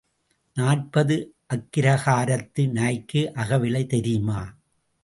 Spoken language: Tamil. நாற்பது அக்கிரகாரத்து நாய்க்கு அகவிலை தெரியுமா?